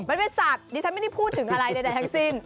มันเป็นสัตว์ดิฉันไม่ได้พูดถึงอะไรใดทั้งสิ้น